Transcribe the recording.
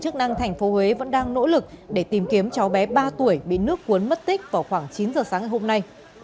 chức năng thành phố huế vẫn đang nỗ lực để tìm kiếm cháu bé ba tuổi bị nước cuốn mất tích vào khoảng chín giờ sáng ngày hôm nay